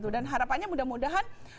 dan harapannya mudah mudahan